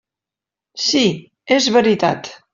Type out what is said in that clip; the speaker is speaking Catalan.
Sí, és veritat.